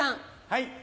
はい。